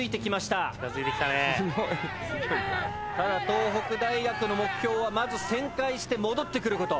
ただ東北大学の目標はまず旋回して戻ってくる事。